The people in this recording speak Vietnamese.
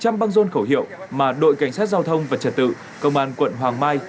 một khẩu hiệu mà đội cảnh sát giao thông và trật tự công an quận hoàng mai